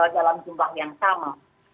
dalam jumlah yang sama